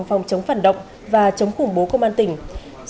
phòng chống phản động và chống khủng bố công an tỉnh